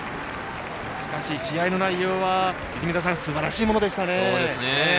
しかし試合の内容は、泉田さんすばらしいものでしたね。